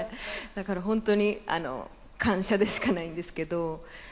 だから本当に感謝でしかないんですけど。